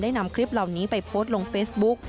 นำคลิปเหล่านี้ไปโพสต์ลงเฟซบุ๊ก